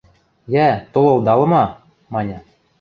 – Йӓ, толылдалыма! – маньы.